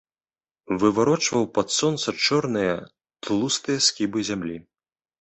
Выварочваў пад сонца чорныя, тлустыя скібы зямлі.